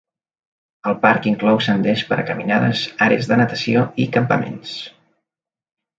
El parc inclou senders per a caminades, àrees de natació i campaments.